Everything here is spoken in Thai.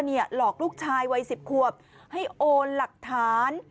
หลอกลูกชายวัย๑๐ขวบให้โอนหลักฐาน